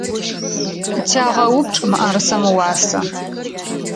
Тягъэупчӏ мыӏэрысэм ыуасэ.